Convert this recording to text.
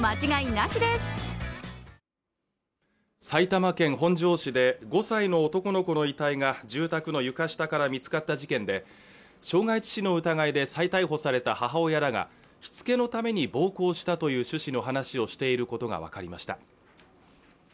埼玉県本庄市で５歳の男の子の遺体が住宅の床下から見つかった事件で傷害致死の疑いで再逮捕された母親らがしつけのために暴行したという趣旨の話をしていることが分かりました